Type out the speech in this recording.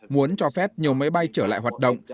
muốn cho phép nhiều máy bay trở lại hoạt động